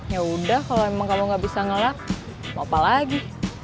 yaudah kalau emang kamu nggak bisa ngelak mau apa lagi